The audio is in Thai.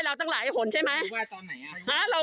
สวัสดีคุณผู้ชายสวัสดีคุณผู้ชาย